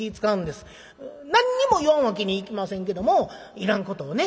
何にも言わんわけにいきませんけどもいらんことをね